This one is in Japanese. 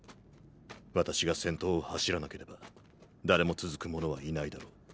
私が先頭を走らなければ誰も続く者はいないだろう。